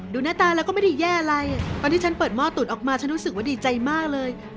หน้าตาแล้วก็ไม่ได้แย่อะไรตอนที่ฉันเปิดหม้อตุดออกมาฉันรู้สึกว่าดีใจมากเลย